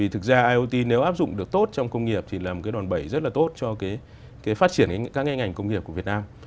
thực ra iot nếu áp dụng được tốt trong công nghiệp thì là một cái đòn bẩy rất là tốt cho phát triển các ngành công nghiệp của việt nam